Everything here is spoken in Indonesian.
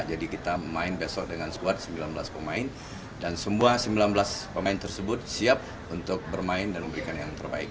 jadi kita main besok dengan squad sembilan belas pemain dan semua sembilan belas pemain tersebut siap untuk bermain dan memberikan yang terbaik